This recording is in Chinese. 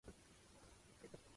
我能吞下玻璃而不伤身体